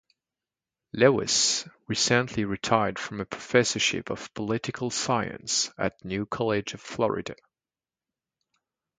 Lewis recently retired from a professorship of political science at New College of Florida.